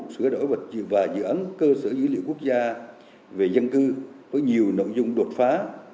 sửa đổi và dự án cơ sở dữ liệu quốc gia về dân cư với nhiều nội dung đột phá